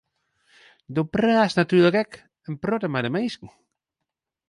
Do praatst natuerlik ek in protte mei de minsken.